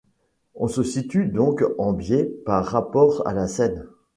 On se situe donc en biais par rapport à la scène.